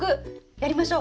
やりましょう。